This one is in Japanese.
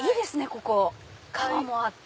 ここ川もあって。